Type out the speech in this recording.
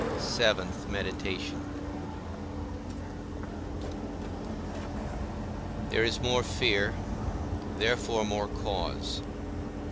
_ VII. MEDITATION. There is more fear, therefore more cause.